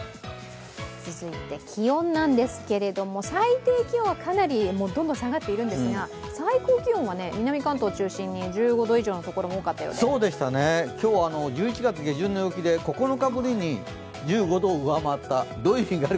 続いて、気温なんですけれども最低気温はかなりどんどん下がっているんですが、最高気温は南関東を中心に１５度以上あったところもあったようで、今日、１１月下旬の陽気で９日ぶりに１５度を上回った。